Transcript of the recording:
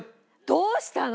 どうしたの！？